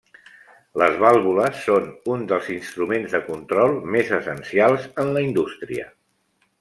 Les vàlvules són uns dels instruments de control més essencials en la indústria.